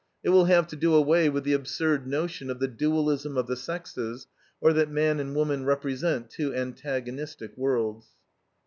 It will have to do away with the absurd notion of the dualism of the sexes, or that man and woman represent two antagonistic worlds.